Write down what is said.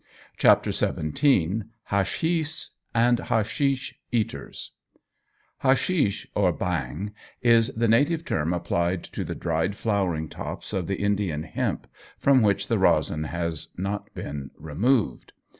CHAPTER XVII HASHISH AND HASHISH EATERS HASHISH, or Bhang, is the native term applied to the dried flowering tops of the Indian hemp, from which the resin has not been removed.